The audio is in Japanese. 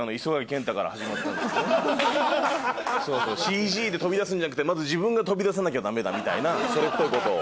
ＣＧで飛び出すんじゃなくて自分が飛び出さなきゃダメだみたいなそれっぽいことを。